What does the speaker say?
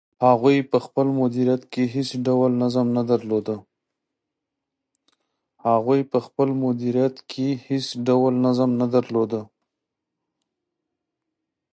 هغوی په خپل مدیریت کې هیڅ ډول نظم نه درلود.